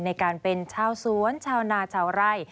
ในการเป็นชาวสวนชาวนาชาวไร่